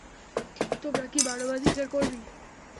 তোমরা কি মানবাধিকার কর্মী?